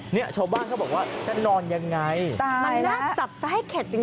เนี่ยชาวบ้านเขาบอกว่าจะนอนยังไงมันน่าจับซะให้เข็ดจริง